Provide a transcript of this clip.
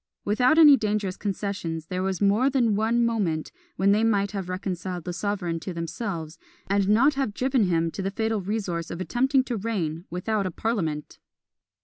Without any dangerous concessions, there was more than one moment when they might have reconciled the sovereign to themselves, and not have driven him to the fatal resource of attempting to reign without a parliament!